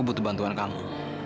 aku butuh bantuan kamu